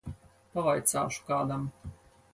Pavaicāšu kādam.